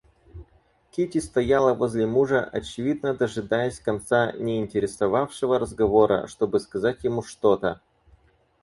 Кити стояла возле мужа, очевидно дожидаясь конца неинтересовавшего разговора, чтобы сказать ему что-то.